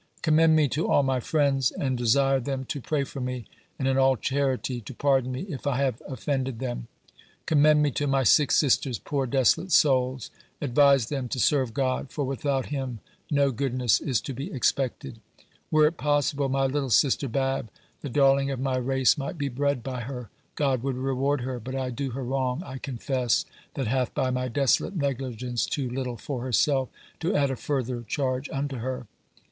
Commend me to all my friends, and desire them to pray for me, and in all charitie to pardon me, if I have offended them. Commend me to my six sisters poore desolate soules, advise them to serue God, for without him no goodness is to be expected: were it possible, my little sister Babb: the darlinge of my race might be bred by her, God would rewarde her; but I do her wrong I confesse, that hath by my desolate negligence too little for herselfe, to add a further charge vnto her.